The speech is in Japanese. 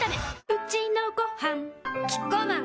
うちのごはんキッコーマン